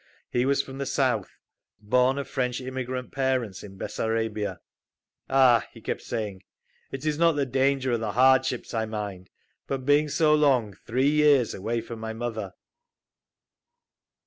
He was from the South, born of French immigrant parents in Bessarabia. "Ah," he kept saying, "it is not the danger or the hardships I mind, but being so long, three years, away from my mother…."